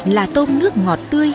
là tôm nước ngọt tươi